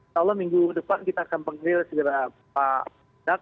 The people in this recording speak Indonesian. kalau minggu depan kita akan penggil segera pak dap